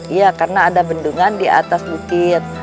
iya karena ada bendungan di atas bukit